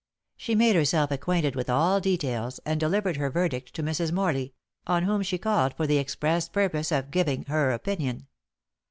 She made herself acquainted with all details, and delivered her verdict to Mrs. Morley, on whom she called for the express purpose of giving her opinion.